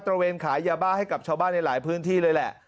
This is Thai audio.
ระเวนขายยาบ้าให้กับชาวบ้านในหลายพื้นที่เลยแหละ